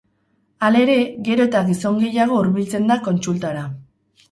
Halere, gero eta gizon gehiago hurbiltzen da kontsultara.